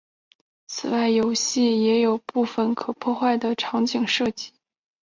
此外游戏也有部分可破坏的场景设计。